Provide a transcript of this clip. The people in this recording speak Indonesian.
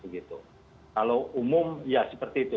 kalau umum ya seperti itu